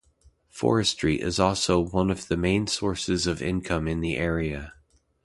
Forestry is also one of the main sources of income in the area.